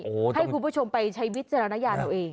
โอ้โฮต้องให้คุณผู้ชมไปใช้วิทยาลัยเราเอง